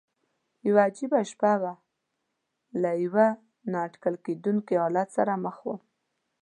یوه عجیبه شپه وه، له یوه نا اټکل کېدونکي حالت سره مخ ووم.